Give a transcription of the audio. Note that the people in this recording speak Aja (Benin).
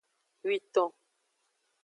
Witon.